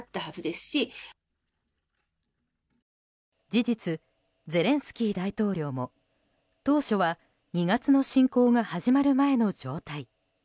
事実、ゼレンスキー大統領も当初は２月の侵攻が始まる前の状態。